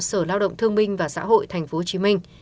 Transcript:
sở lao động thương minh và xã hội tp hcm